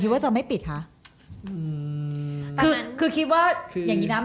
ไม่มีทางไม่ปิดหรอกแต่พอปิดเสร็จก็เอาเช็นน้ำตากูหน่อยละกัน